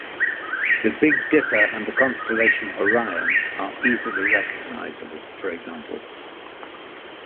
The Big Dipper and the constellation Orion are easily recognizable, for example.